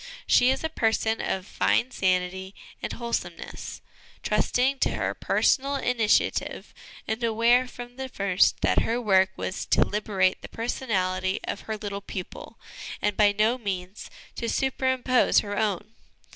She is a person of fine sanity and wholesomeness, trusting to her personal initiative, and aware from the first that her work was to liberate the personality of her little pupil and by no means to superimpose her own.